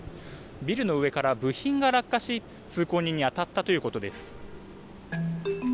ビルの上から部品が落下し通行人に当たったということです。